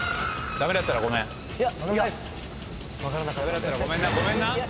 駄目だったらごめんな！